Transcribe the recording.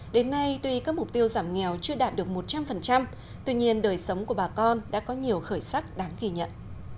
đến nay tuy các mục tiêu giảm nghèo chưa đạt được một trăm linh tuy nhiên đời sống của bà con đã có nhiều khởi sắc đáng ghi nhận